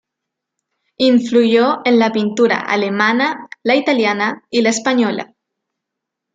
Influyó en la pintura alemana, la italiana y la española.